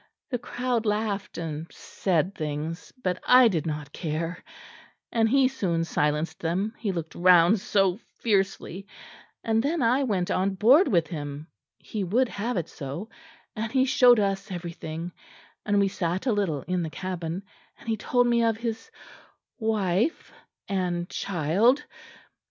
The crowd laughed and said things but I did not care; and he soon silenced them, he looked round so fiercely; and then I went on board with him he would have it so and he showed us everything and we sat a little in the cabin; and he told me of his wife and child.